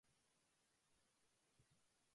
うーちゃん